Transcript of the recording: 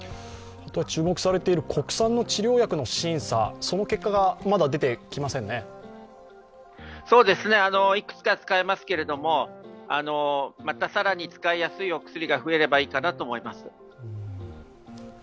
注目されている国産の治療薬の審査、その結果がいくつか使えますけれども、また更に使いやすいお薬が増えればいいかなと思います。